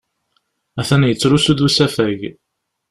Atan yettrusu-d usafag.